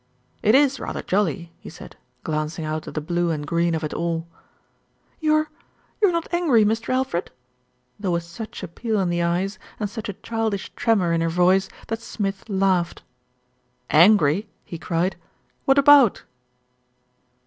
"It is rather jolly," he said, glancing out at the blue and green of it all. "You're you're not angry, Mr. Alfred?" There was such appeal in the eyes, and such a childish tremor in her voice that Smith laughed. "Angry!" he cried. "What about?"